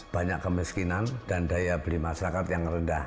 banyak kemiskinan dan daya beli masyarakat yang rendah